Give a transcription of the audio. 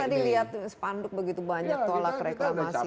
saya tadi lihat sepanduk begitu banyak tolak reklamasi